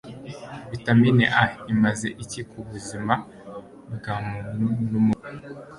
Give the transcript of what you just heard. Vitamine A imaze icyi ku buzima bwa muntu n'umubiri